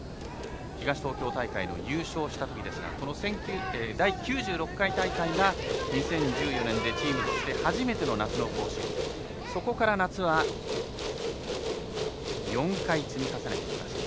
東東京大会の優勝したとき第９６回大会が２０１４年でチームとして初めての夏の甲子園そこから夏は４回、積み重ねてきました。